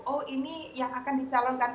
oh ini yang akan dicalonkan